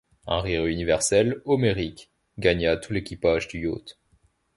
Un rire universel, homérique, gagna tout l’équipage du yacht.